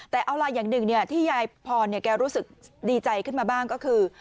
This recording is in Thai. แต่เอาล่ะอย่างหนึ่งที่ยายพรแกรู้สึกดีใจขึ้นมาบ้างก็คือ